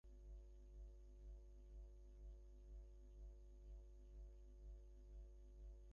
বিনোদিনীর সহিত মহেন্দ্রের যে পবিত্র প্রেমের সম্বন্ধ তাহাতে দাম্পত্যনীতির কোনো ব্যাঘাত হইবে না।